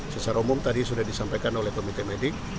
secara umum tadi sudah disampaikan oleh komite medik